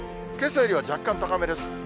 けさよりは若干高めです。